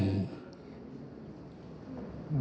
mekanisme yang dicurigai